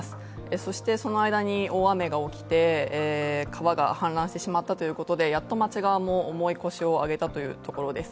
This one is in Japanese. そしてその間に大雨が起きて川が氾濫してしまったということでやっと町側も重い腰を上げたということです。